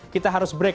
kita harus break